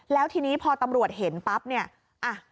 แล้วทีนี้พอตำรวจเห็นปั๊บเนี่ย